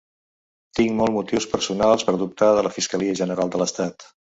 Tinc molt motius personals per dubtar de la fiscalia general de l’estat.